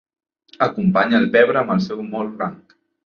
Acompanya el pebre amb el seu humor blanc.